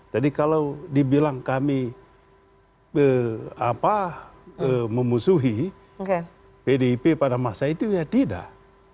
jadi kalau dibilang kami memusuhi pdip pada masa itu ya tidak